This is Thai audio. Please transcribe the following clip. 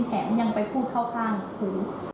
แถมยังไปพูดเข้าข้างครู